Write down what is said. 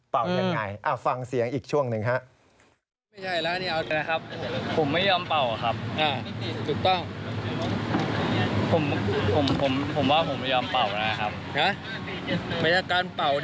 เป่ายังไงฟังเสียงอีกช่วงหนึ่งฮะ